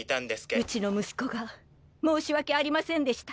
ウチの息子が申し訳ありませんでした。